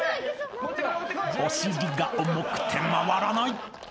［お尻が重くて回らない］